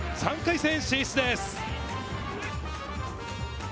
３回戦進出です。